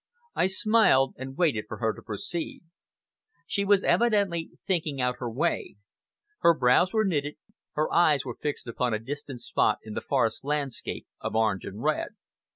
I smiled and waited for her to proceed. She was evidently thinking out her way. Her brows were knitted, her eyes were fixed upon a distant spot in the forest landscape of orange and red.